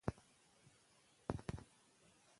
تاسو باید د وطن د دفاع لپاره قرباني ورکړئ.